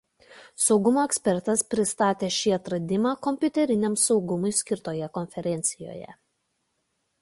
Saugumo ekspertas pristatė šį atradimą kompiuteriniam saugumui skirtoje konferencijoje.